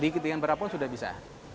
di ketinggian berapa pun sudah bisa